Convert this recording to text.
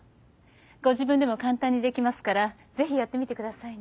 ご自分でも簡単にできますからぜひやってみてくださいね。